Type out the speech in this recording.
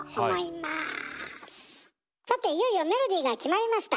さていよいよメロディーが決まりました。